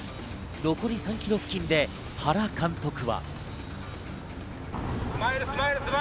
残り３ｋｍ付近で原監督は。